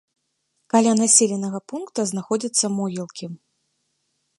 Каля населенага пункта знаходзяцца могілкі.